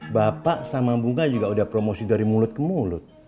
bapak sama bunga juga udah promosi dari mulut ke mulut